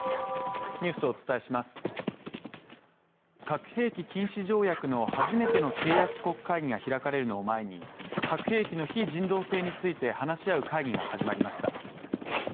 核兵器禁止条約の初めての締約国会議が開かれるのを前に核兵器の非人道性について話し合う会議が始まりました。